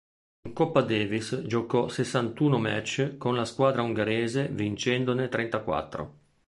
In Coppa Davis giocò sessantuno match con la squadra ungherese vincendone trentaquattro.